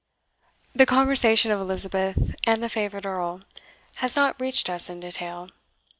The conversation of Elizabeth and the favourite Earl has not reached us in detail.